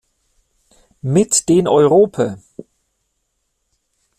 Mit den Europe!